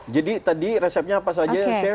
tadi resepnya apa saja chef